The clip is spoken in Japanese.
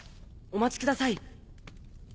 お待ちください。